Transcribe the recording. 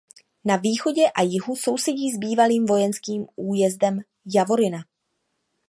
Na východě a jihu sousedí s bývalým vojenským újezdem Javorina.